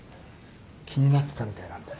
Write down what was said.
気になってたみたいなんで。